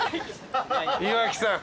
岩城さん。